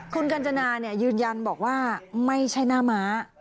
คุณกัญจนายืนยันบอกว่าไม่ใช่หน้าม้า